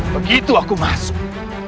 begitu aku masuk